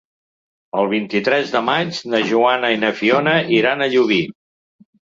El vint-i-tres de maig na Joana i na Fiona iran a Llubí.